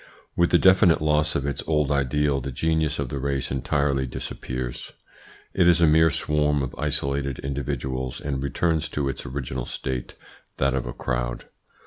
With the definite loss of its old ideal the genius of the race entirely disappears; it is a mere swarm of isolated individuals and returns to its original state that of a crowd.